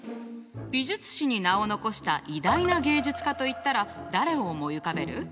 美術史に名を残した偉大な芸術家といったら誰を思い浮かべる？